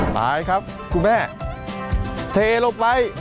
ตายครับคุณแม่เทลงไป